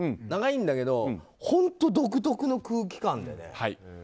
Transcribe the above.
長いんだけど本当、独特の空気感で。